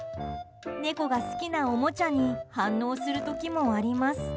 猫が好きなおもちゃに反応する時もあります。